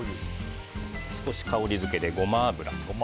少し香りづけでゴマ油。